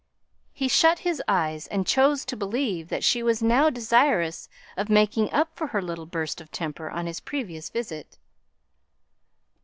He shut his eyes, and chose to believe that she was now desirous of making up for her little burst of temper on his previous visit.